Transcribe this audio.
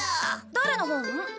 誰の本？